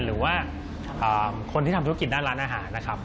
หรือว่าคนที่ทำธุรกิจด้านร้านอาหารนะครับ